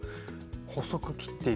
細く切っていく。